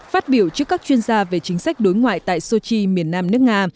phát biểu trước các chuyên gia về chính sách đối ngoại tại sochi miền nam nước nga